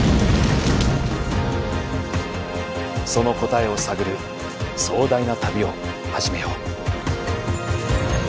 その答えを探る壮大な旅を始めよう。